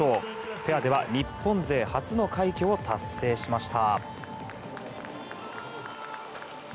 ペアでは日本勢初の快挙を達成しました。